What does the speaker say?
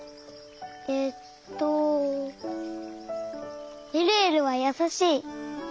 えっとえるえるはやさしい。